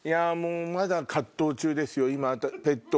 まだ藤中ですよ。